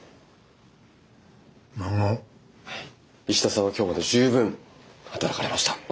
石田さんは今日まで十分働かれました。